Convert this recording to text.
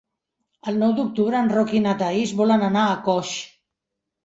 El nou d'octubre en Roc i na Thaís volen anar a Coix.